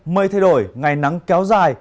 mây thay đổi ngày nắng kéo dài